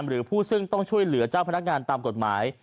หรือผู้ซึ่งต้องช่วยเหลือเจ้าพนักงานตามกฎหมาย